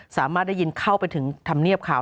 สามารถได้ยินเข้าไปถึงธรรมเนียบข่าว